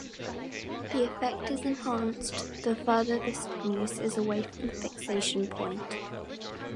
The effect is enhanced the further the stimulus is away from the fixation point.